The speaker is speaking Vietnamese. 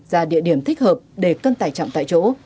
ra địa điểm thích hợp để cân tải trọng tại chỗ